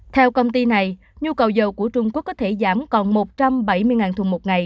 theo công ty này nhu cầu dầu của trung quốc có thể giảm còn một trăm bảy mươi thùng một ngày